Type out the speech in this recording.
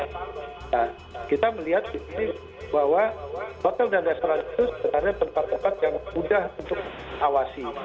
nah kita melihat bahwa hotel dan restoran itu sebenarnya tempat tempat yang mudah untuk awasi